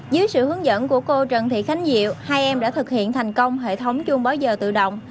dưới sự hướng dẫn của cô trần thị khánh diệu hai em đã thực hiện thành công hệ thống chuông báo giờ tự động